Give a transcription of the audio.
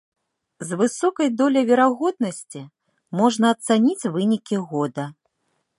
З высокай доляй верагоднасці можна ацаніць вынікі года.